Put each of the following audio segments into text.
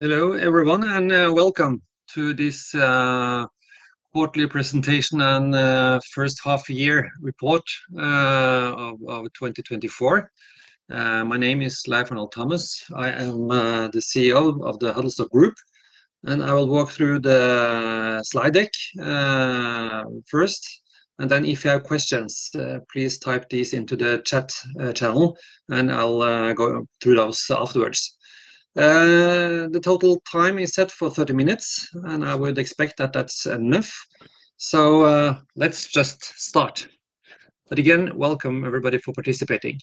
Hello, everyone, and welcome to this quarterly presentation and first half year report of 2024. My name is Leif Arnold Thomas. I am the CEO of the Huddlestock Group, and I will walk through the slide deck first, and then if you have questions, please type these into the chat channel, and I'll go through those afterwards. The total time is set for thirty minutes, and I would expect that that's enough. So let's just start. But again, welcome everybody for participating.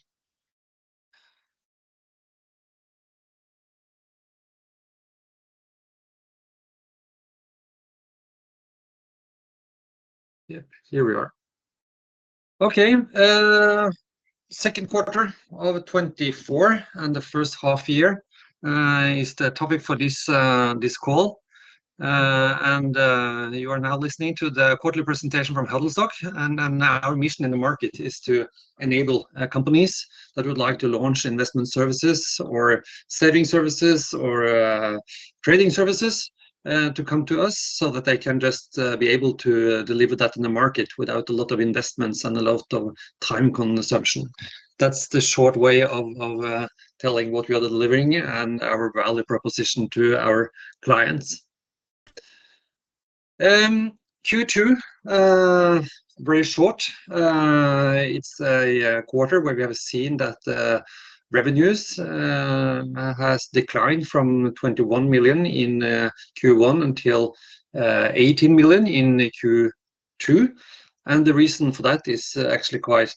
Yep, here we are. Okay, second quarter of 2024 and the first half year is the topic for this call. You are now listening to the quarterly presentation from Huddlestock. Our mission in the market is to enable companies that would like to launch investment services or saving services or trading services to come to us, so that they can just be able to deliver that in the market without a lot of investments and a lot of time consumption. That's the short way of telling what we are delivering and our value proposition to our clients. Q2, very short. It's a quarter where we have seen that revenues has declined from 21 million in Q1 until 18 million in Q2. The reason for that is actually quite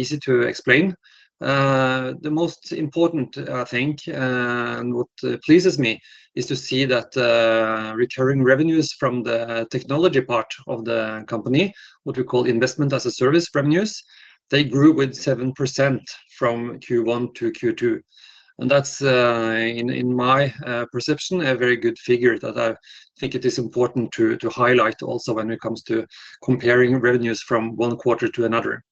easy to explain. The most important, I think, and what pleases me, is to see that recurring revenues from the technology part of the company, what we call Investment as a Service revenues, they grew with 7% from Q1 to Q2. And that's in my perception a very good figure that I think it is important to highlight also when it comes to comparing revenues from one quarter to another.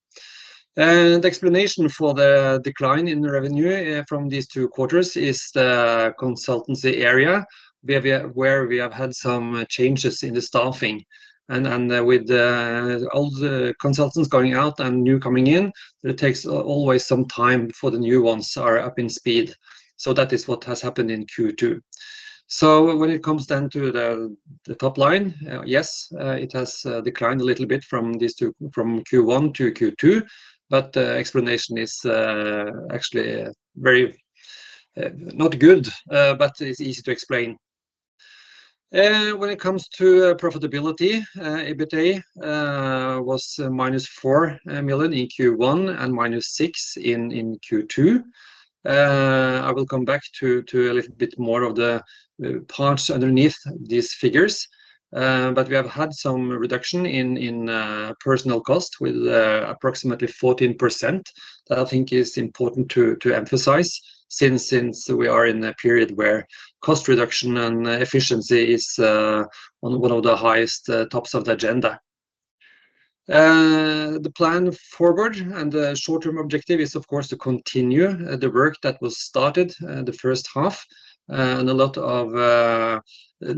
And the explanation for the decline in the revenue from these two quarters is the consultancy area, where we have had some changes in the staffing. And with all the consultants going out and new coming in, it always takes some time for the new ones to get up to speed. So that is what has happened in Q2. So when it comes down to the top line, yes, it has declined a little bit from these two, from Q1 to Q2, but the explanation is actually very not good, but it's easy to explain. When it comes to profitability, EBITDA was -4 million in Q1 and -6 million in Q2. I will come back to a little bit more of the parts underneath these figures. But we have had some reduction in personnel costs with approximately 14%. That I think is important to emphasize since we are in a period where cost reduction and efficiency is one of the highest tops of the agenda. The plan forward and the short-term objective is, of course, to continue the work that was started the first half. And a lot of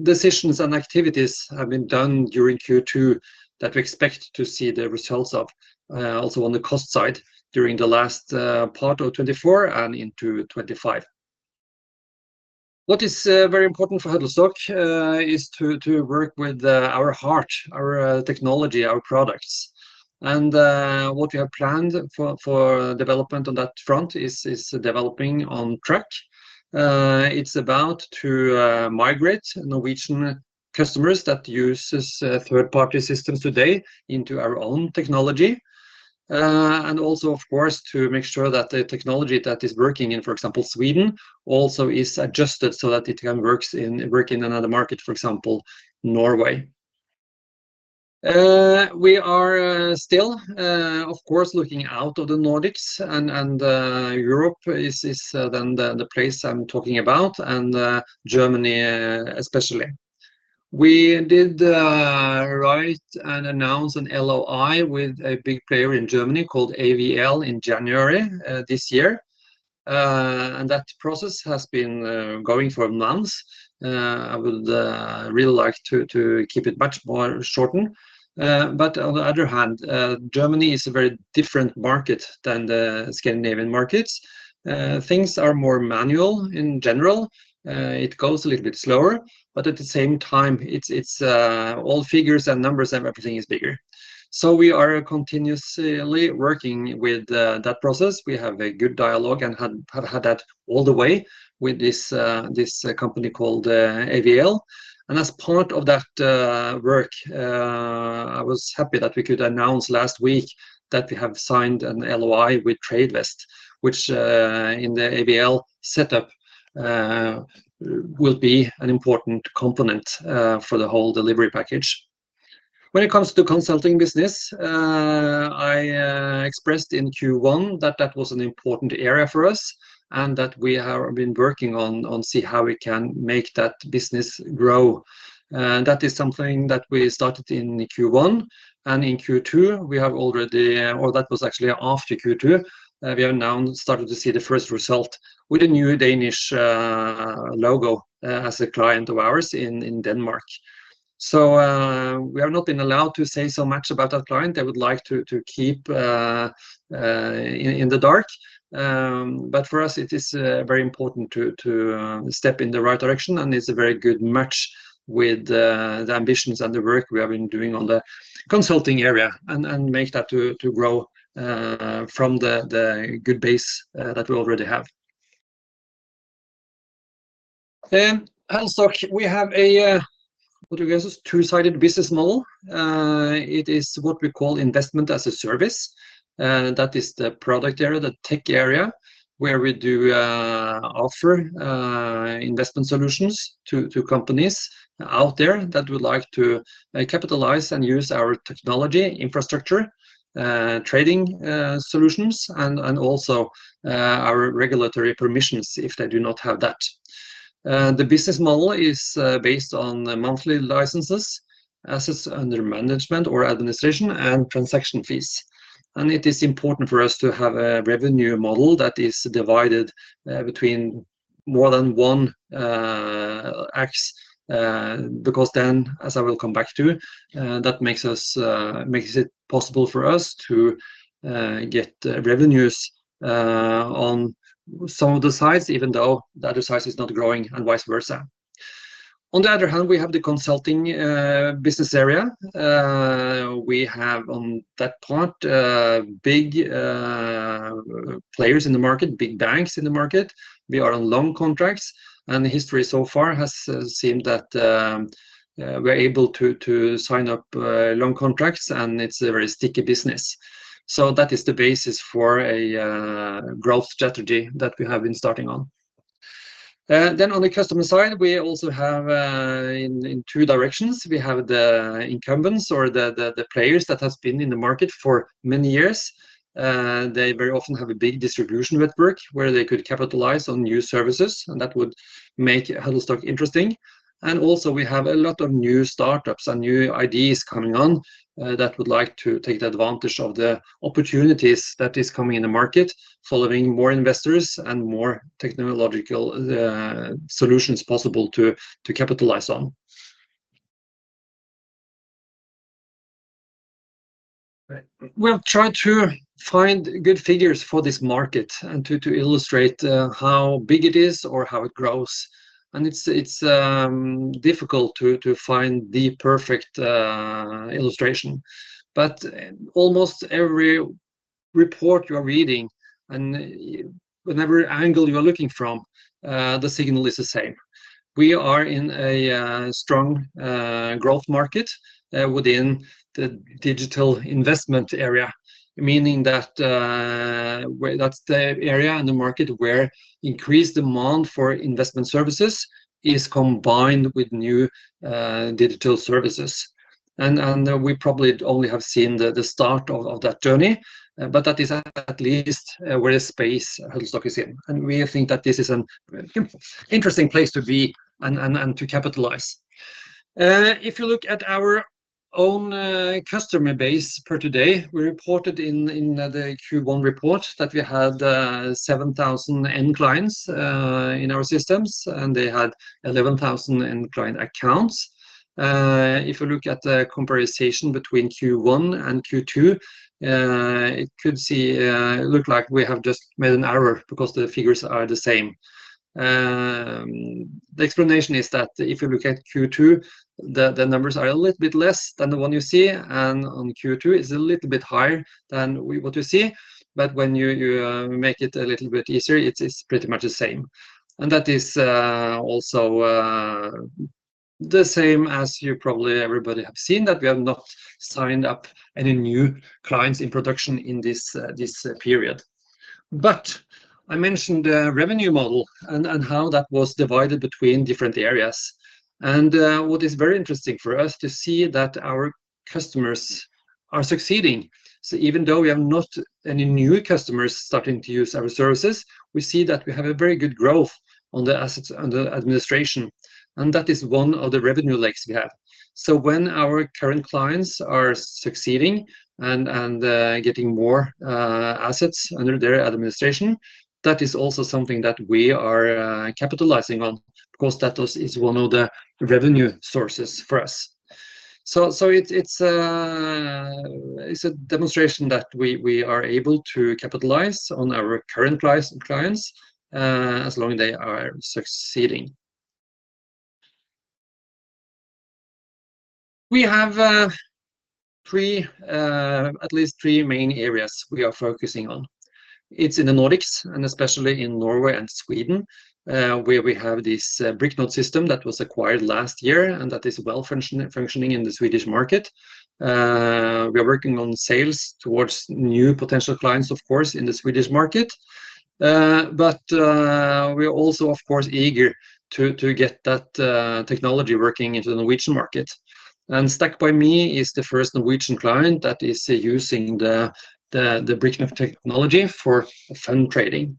decisions and activities have been done during Q2 that we expect to see the results of also on the cost side during the last part of 2024 and into 2025. What is very important for Huddlestock is to work with our core, our technology, our products. And what we have planned for development on that front is developing on track. It's about to migrate Norwegian customers that uses third-party systems today into our own technology. And also, of course, to make sure that the technology that is working in, for example, Sweden, also is adjusted so that it can work in another market, for example, Norway. We are still, of course, looking out of the Nordics and Europe is then the place I'm talking about, and Germany especially. We did write and announce an LOI with a big player in Germany called AVL in January this year. And that process has been going for months. I would really like to keep it much more shortened. But on the other hand, Germany is a very different market than the Scandinavian markets. Things are more manual in general. It goes a little bit slower, but at the same time, it's all figures and numbers, and everything is bigger. So we are continuously working with that process. We have a good dialogue and have had that all the way with this company called AVL. And as part of that work, I was happy that we could announce last week that we have signed an LOI with Tradevest, which in the AVL setup will be an important component for the whole delivery package. When it comes to consulting business, I expressed in Q1 that that was an important area for us, and that we have been working on to see how we can make that business grow. And that is something that we started in Q1, and in Q2, we have already... Or that was actually after Q2. We have now started to see the first result with a new Danish client as a client of ours in Denmark. So we have not been allowed to say so much about our client. They would like to keep in the dark. But for us, it is very important to step in the right direction, and it's a very good match with the ambitions and the work we have been doing on the consulting area and make that to grow from the good base that we already have. In Huddlestock, we have a two-sided business model. It is what we call Investment as a Service, and that is the product area, the tech area, where we do offer investment solutions to companies out there that would like to capitalize and use our technology infrastructure, trading solutions, and also our regulatory permissions if they do not have that. The business model is based on monthly licenses, assets under management or administration, and transaction fees. It is important for us to have a revenue model that is divided between more than one axis, because then, as I will come back to, that makes it possible for us to get revenues on some of the sides, even though the other side is not growing, and vice versa. On the other hand, we have the consulting business area. We have, on that part, big players in the market, big banks in the market. We are on loan contracts, and the history so far has seen that we're able to sign up loan contracts, and it's a very sticky business, so that is the basis for a growth strategy that we have been starting on, then on the customer side, we also have in two directions. We have the incumbents or the players that has been in the market for many years. They very often have a big distribution network where they could capitalize on new services, and that would make Huddlestock interesting. And also we have a lot of new startups and new ideas coming on that would like to take the advantage of the opportunities that is coming in the market, following more investors and more technological solutions possible to capitalize on. We've tried to find good figures for this market and to illustrate how big it is or how it grows, and it's difficult to find the perfect illustration. But almost every report you are reading, and whatever angle you are looking from, the signal is the same. We are in a strong growth market within the digital investment area, meaning that where... that's the area and the market where increased demand for investment services is combined with new digital services. We probably only have seen the start of that journey, but that is at least where the space Huddlestock is in, and we think that this is an interesting place to be and to capitalize. If you look at our own customer base per today, we reported in the Q1 report that we had 7,000 end clients in our systems, and they had 11,000 end client accounts. If you look at the comparison between Q1 and Q2, it could look like we have just made an error because the figures are the same. The explanation is that if you look at Q2, the numbers are a little bit less than the one you see, and on Q2 it's a little bit higher than we want to see. But when you make it a little bit easier, it's pretty much the same. And that is also the same as you probably everybody have seen, that we have not signed up any new clients in production in this period. But I mentioned the revenue model and how that was divided between different areas, and what is very interesting for us to see that our customers are succeeding. So even though we have not any new customers starting to use our services, we see that we have a very good growth on the assets under administration, and that is one of the revenue legs we have. So when our current clients are succeeding and getting more assets under their administration, that is also something that we are capitalizing on, because that is one of the revenue sources for us. So it's a demonstration that we are able to capitalize on our current clients as long as they are succeeding. We have at least three main areas we are focusing on. It's in the Nordics, and especially in Norway and Sweden, where we have this Bricknode system that was acquired last year and that is well functioning in the Swedish market. We are working on sales towards new potential clients, of course, in the Swedish market. But we are also, of course, eager to get that technology working in the Norwegian market. Stack by.me is the first Norwegian client that is using the Bricknode technology for fund trading.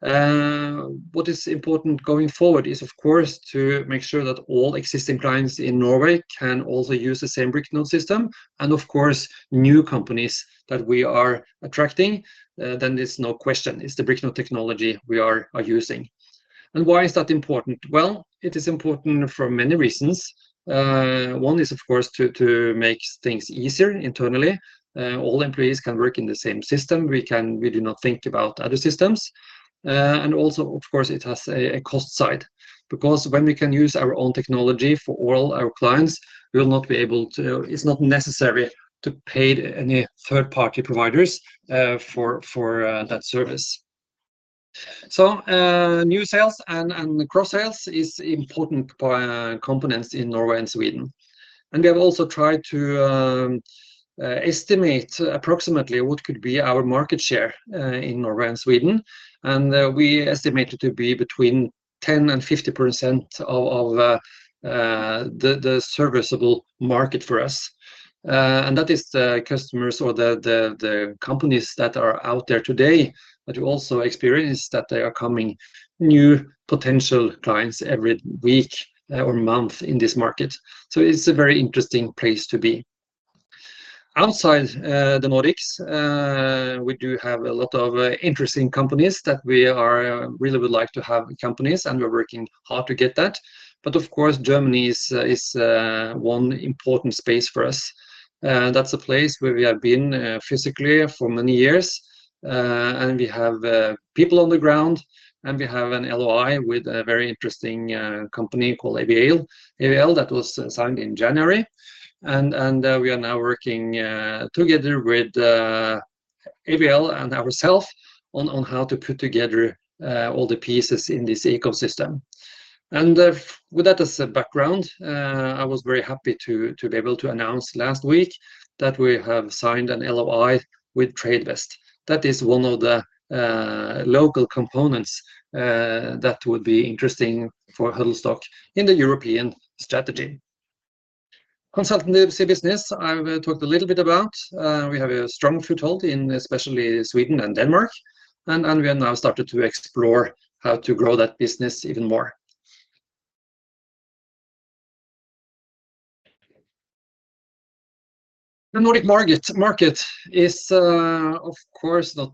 What is important going forward is, of course, to make sure that all existing clients in Norway can also use the same Bricknode system, and of course, new companies that we are attracting, then there's no question, it's the Bricknode technology we are using. And why is that important? It is important for many reasons. One is, of course, to make things easier internally. All employees can work in the same system. We can... We do not think about other systems. And also, of course, it has a cost side, because when we can use our own technology for all our clients, we will not be able to... It's not necessary to pay any third-party providers for that service. New sales and cross sales are important components in Norway and Sweden. We have also tried to estimate approximately what could be our market share in Norway and Sweden, and we estimate it to be between 10% and 50% of the serviceable market for us. That is the customers or the companies that are out there today, but we also experience that there are coming new potential clients every week or month in this market. It's a very interesting place to be. Outside the Nordics, we do have a lot of interesting companies that we really would like to have, and we're working hard to get that. But of course, Germany is one important space for us, and that's a place where we have been physically for many years. And we have people on the ground, and we have an LOI with a very interesting company called AVL. AVL, that was signed in January, and we are now working together with AVL and ourselves on how to put together all the pieces in this ecosystem. And with that as a background, I was very happy to be able to announce last week that we have signed an LOI with Tradevest. That is one of the local components that would be interesting for Huddlestock in the European strategy. Consultancy business, I've talked a little bit about. We have a strong foothold in especially Sweden and Denmark, and we have now started to explore how to grow that business even more. The Nordic market is, of course, not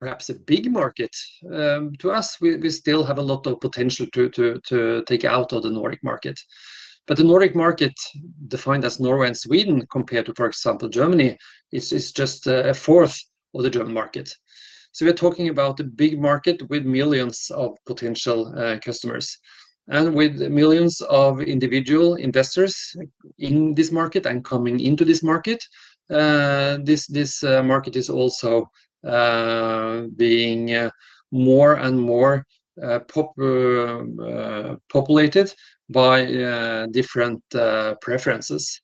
perhaps a big market. To us, we still have a lot of potential to take out of the Nordic market. But the Nordic market, defined as Norway and Sweden, compared to, for example, Germany, is just a fourth of the German market. So we're talking about a big market with millions of potential customers, and with millions of individual investors in this market and coming into this market. This market is also being more and more populated by different preferences.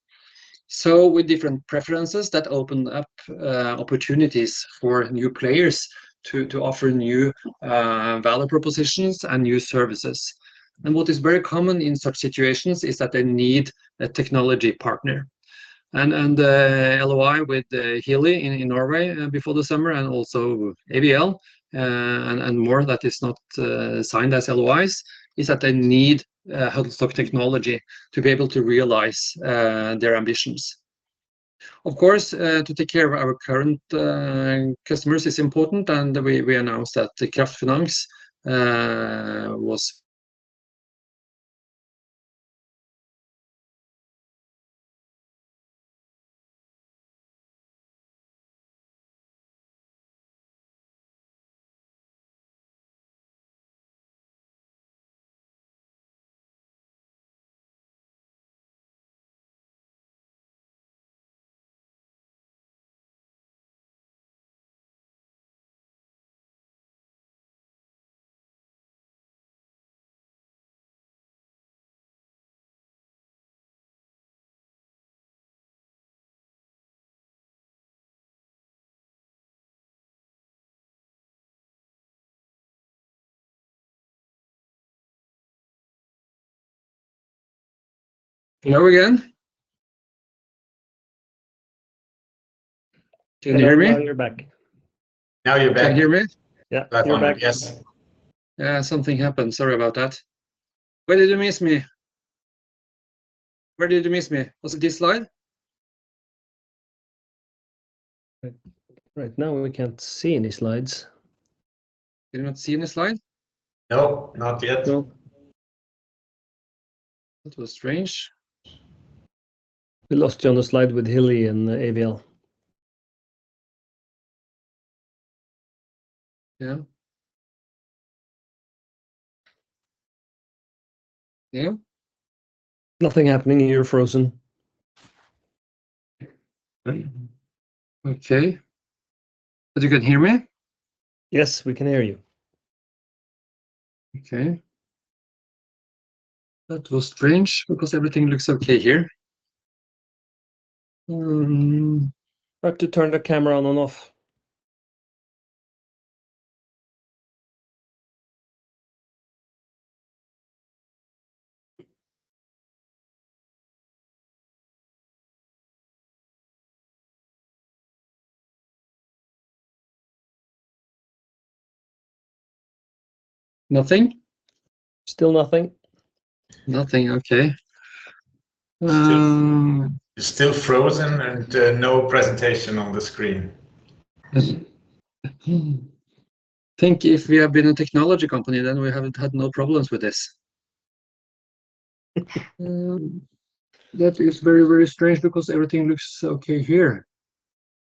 So with different preferences that open up opportunities for new players to offer new value propositions and new services. And what is very common in such situations is that they need a technology partner, and LOI with Hillebrand in Norway before the summer and also AVL, and more that is not signed as LOIs, is that they need Huddlestock technology to be able to realize their ambitions. Of course, to take care of our current customers is important, and we announced that Kraft Finans was- Hello again. Can you hear me? Now you're back. Now you're back. Can you hear me? Yeah. You're back. Yes. Yeah, something happened. Sorry about that. Where did you miss me? Where did you miss me? Was it this slide? Right, right now we can't see any slides. Can you not see any slides? No, not yet. No. That was strange. We lost you on the slide with Hillebrand and AVL. Yeah. Yeah? Nothing happening. You're frozen. Okay, but you can hear me? Yes, we can hear you. Okay. That was strange, because everything looks okay here. Mm. I have to turn the camera on and off. Nothing? Still nothing. Nothing, okay. You're still frozen, and no presentation on the screen. Think if we had been a technology company, then we haven't had no problems with this. That is very, very strange, because everything looks okay here.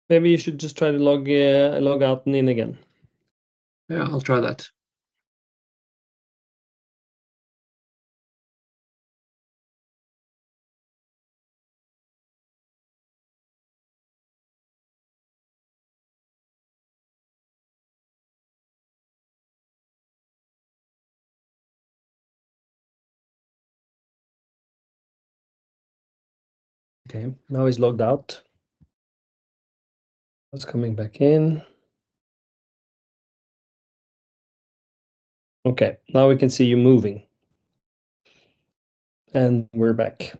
Maybe you should just try to log out and in again. Yeah, I'll try that. ... Okay, now he's logged out. Now he's coming back in. Okay, now we can see you moving, and we're back.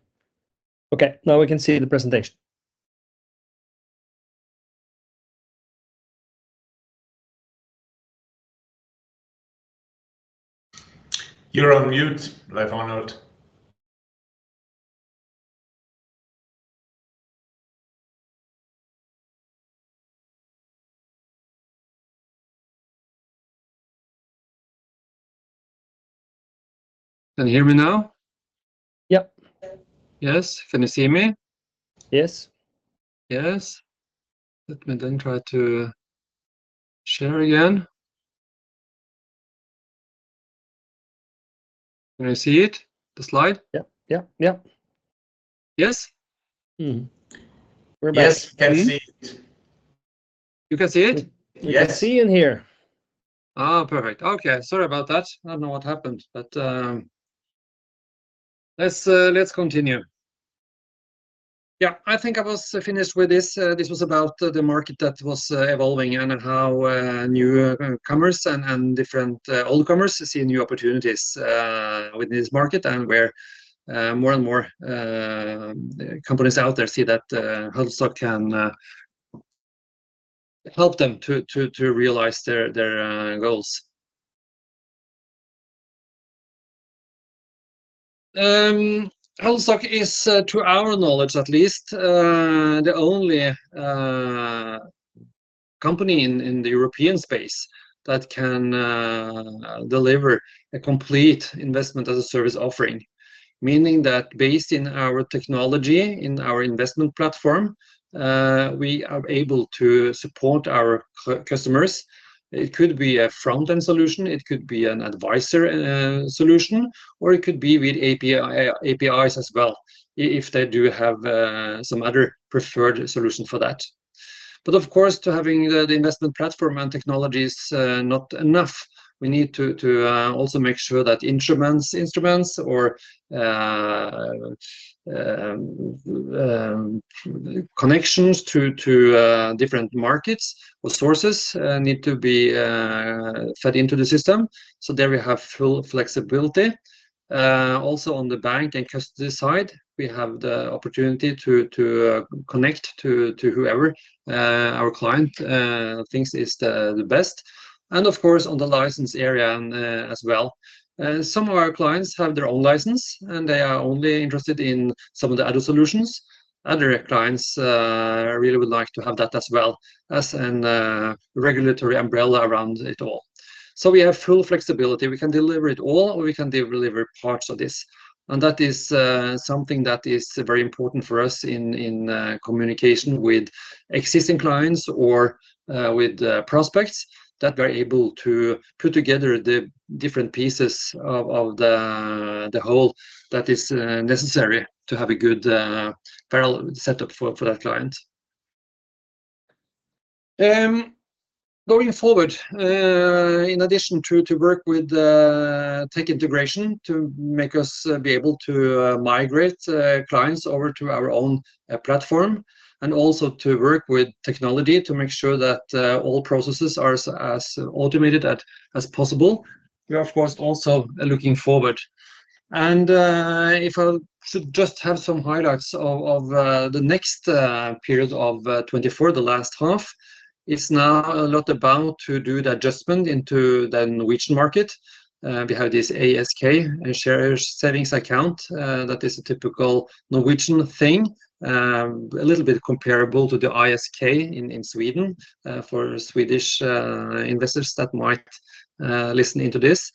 Okay, now we can see the presentation. You're on mute, Leif Arnold. Can you hear me now? Yep. Yes. Can you see me? Yes. Yes. Let me then try to share again. Can you see it, the slide? Yep, yep, yep. Yes? Mm-hmm. Yes, we can see it. You can see it? Yes. We can see in here. Oh, perfect. Okay, sorry about that. I don't know what happened, but, let's continue. Yeah, I think I was finished with this. This was about the market that was evolving and how new commerce and different old commerce see new opportunities with this market, and where more and more companies out there see that Huddlestock can help them to realize their goals. Huddlestock is, to our knowledge, at least, the only company in the European space that can deliver a complete Investment as a Service offering, meaning that based in our technology, in our investment platform, we are able to support our customers. It could be a front-end solution, it could be an advisor solution, or it could be with APIs as well, if they do have some other preferred solution for that. But of course, having the investment platform and technology is not enough. We need to also make sure that instruments or connections to different markets or sources need to be fed into the system, so there we have full flexibility. Also, on the bank and custody side, we have the opportunity to connect to whoever our client thinks is the best, and of course, on the license area as well. Some of our clients have their own license, and they are only interested in some of the other solutions. Other clients really would like to have that as well as a regulatory umbrella around it all. So we have full flexibility. We can deliver it all, or we can deliver parts of this, and that is something that is very important for us in communication with existing clients or with prospects, that we're able to put together the different pieces of the whole that is necessary to have a good parallel setup for that client. Going forward, in addition to work with tech integration to make us be able to migrate clients over to our own platform, and also to work with technology to make sure that all processes are as automated as possible. We are, of course, also looking forward, and, if I should just have some highlights of the next period of 2024, the last half, it's now a lot about to do the adjustment into the Norwegian market. We have this ASK, a share savings account, that is a typical Norwegian thing, a little bit comparable to the ISK in Sweden, for Swedish investors that might listen into this.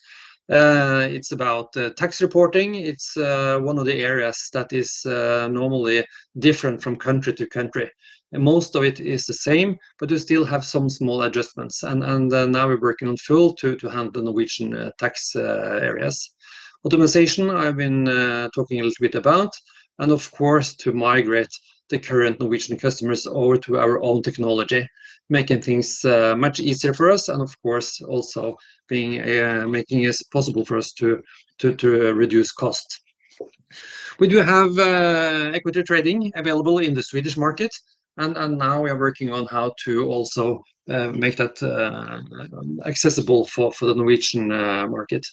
It's about tax reporting. It's one of the areas that is normally different from country to country, and most of it is the same, but you still have some small adjustments, and now we're working full to handle Norwegian tax areas. Automation. I've been talking a little bit about, and of course, to migrate the current Norwegian customers over to our own technology, making things much easier for us and, of course, also making it possible for us to reduce cost. We do have equity trading available in the Swedish market, and now we are working on how to also make that accessible for the Norwegian market.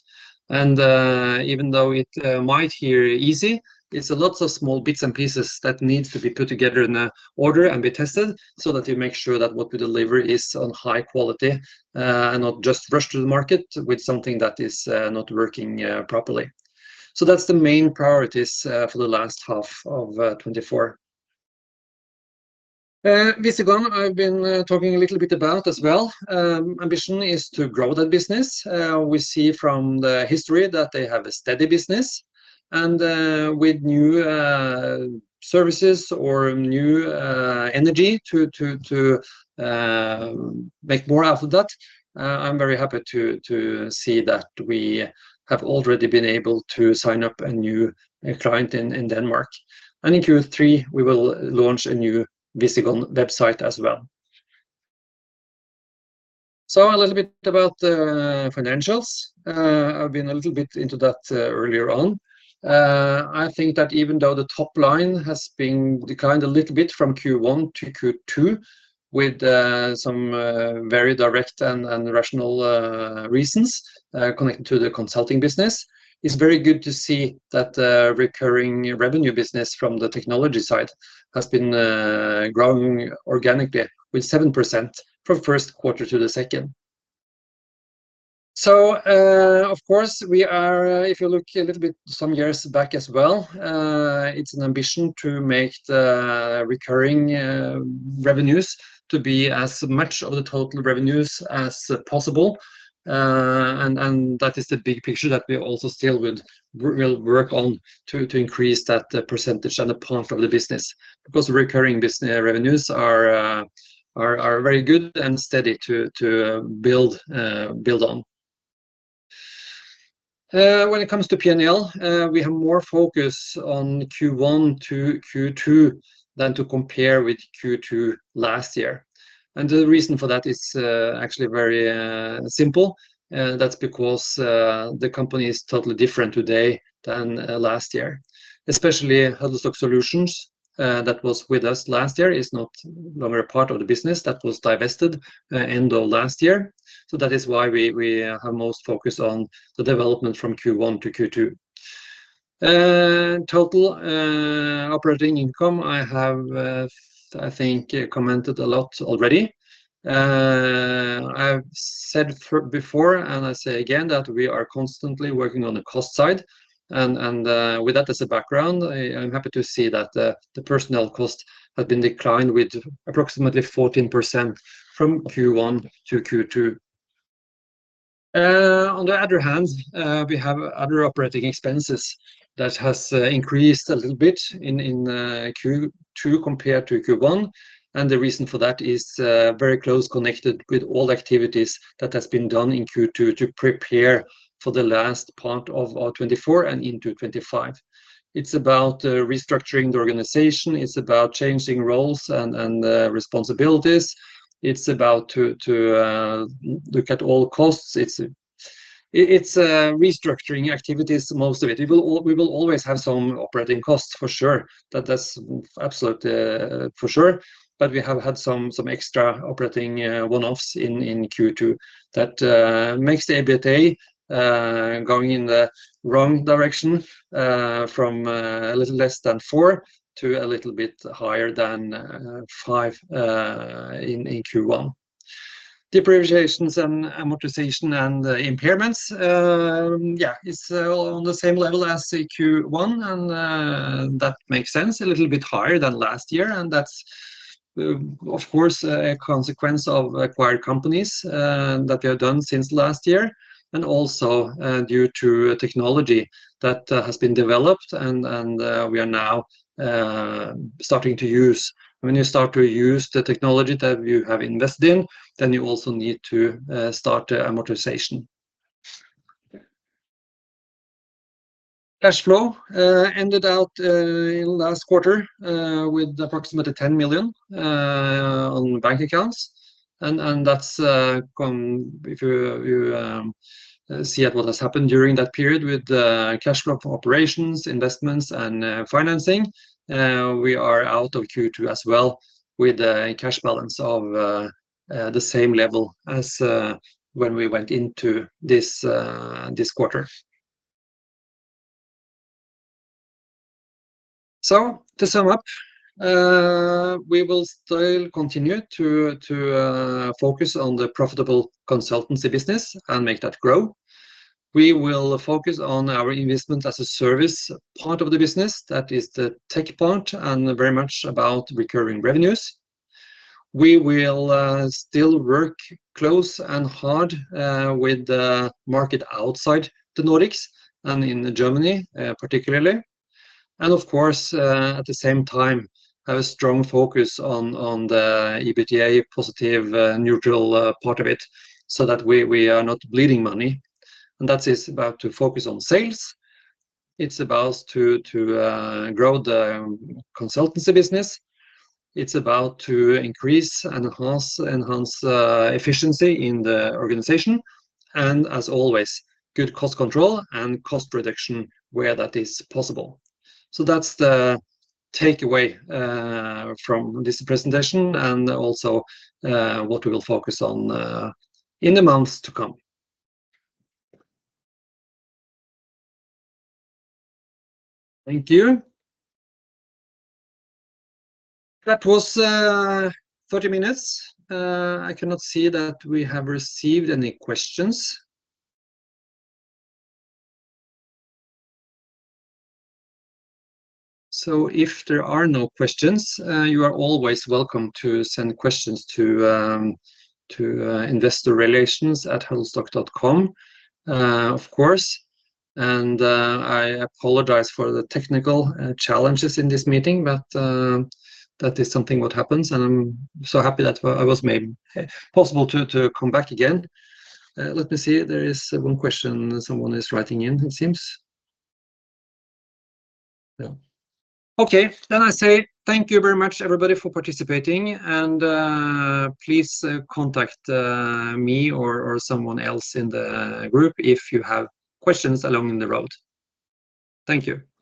Even though it might seem easy, it's lots of small bits and pieces that need to be put together in order and be tested so that we make sure that what we deliver is of high quality and not just rush to the market with something that is not working properly. That's the main priorities for the last half of 2024. Visigon, I've been talking a little bit about as well. Ambition is to grow the business. We see from the history that they have a steady business, and with new services or new energy to make more out of that, I'm very happy to see that we have already been able to sign up a new client in Denmark, and in Q3, we will launch a new Visigon website as well. So a little bit about the financials. I've been a little bit into that earlier on. I think that even though the top line has been declined a little bit from Q1 to Q2, with some very direct and rational reasons connected to the consulting business, it's very good to see that the recurring revenue business from the technology side has been growing organically with 7% from first quarter to the second. So, of course, we are, if you look a little bit some years back as well, it's an ambition to make the recurring revenues to be as much of the total revenues as possible. And that is the big picture that we also still would we'll work on to increase that percentage and the part of the business. Because recurring business revenues are very good and steady to build on. When it comes to PNL, we have more focus on Q1 to Q2 than to compare with Q2 last year. The reason for that is actually very simple. That's because the company is totally different today than last year. Especially Huddlestock Solutions that was with us last year is not no longer a part of the business. That was divested end of last year. That is why we are most focused on the development from Q1 to Q2. Total operating income, I have, I think, commented a lot already. I've said before, and I say again, that we are constantly working on the cost side, and with that as a background, I'm happy to see that the personnel cost had been declined with approximately 14% from Q1 to Q2. On the other hand, we have other operating expenses that has increased a little bit in Q2 compared to Q1, and the reason for that is very close connected with all activities that has been done in Q2 to prepare for the last part of our 2024 and into 2025. It's about restructuring the organization, it's about changing roles and responsibilities. It's about to look at all costs. It's restructuring activities, most of it. We will always have some operating costs, for sure. That, that's absolute for sure, but we have had some extra operating one-offs in Q2 that makes the EBITDA going in the wrong direction from a little less than four to a little bit higher than five in Q1. Depreciations and amortization and impairments, it's on the same level as the Q1, and that makes sense, a little bit higher than last year, and that's of course a consequence of acquired companies that we have done since last year, and also due to technology that has been developed, and we are now starting to use. When you start to use the technology that you have invested in, then you also need to start amortization. Cash flow ended out in last quarter with approximately 10 million on bank accounts, and that's gone. If you see at what has happened during that period with cash flow for operations, investments, and financing, we are out of Q2 as well with a cash balance of the same level as when we went into this quarter. To sum up, we will still continue to focus on the profitable consultancy business and make that grow. We will focus on our Investment as a Service part of the business, that is the tech part, and very much about recurring revenues. We will still work close and hard with the market outside the Nordics and in Germany particularly. Of course, at the same time, have a strong focus on the EBITDA positive, neutral part of it, so that we are not bleeding money, and that is about to focus on sales. It's about to grow the consultancy business. It's about to increase and enhance efficiency in the organization, and as always, good cost control and cost reduction where that is possible. That's the takeaway from this presentation, and also what we will focus on in the months to come. Thank you. That was 30 minutes. I cannot see that we have received any questions. If there are no questions, you are always welcome to send questions to investorrelations@huddlestock.com, of course. And, I apologize for the technical challenges in this meeting, but, that is something what happens, and I'm so happy that I was made possible to come back again. Let me see. There is one question someone is writing in, it seems. Yeah. Okay, then I say thank you very much, everybody, for participating, and, please, contact me or someone else in the group if you have questions along the road. Thank you.